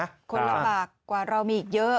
คนลำบากกว่าเรามีอีกเยอะ